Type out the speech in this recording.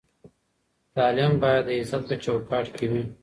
تعلیم باید د عزت په چوکاټ کې وي.